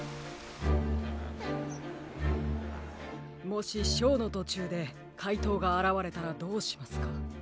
もしショーのとちゅうでかいとうがあらわれたらどうしますか？